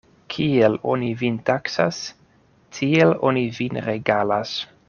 Kiel oni vin taksas, tiel oni vin regalas.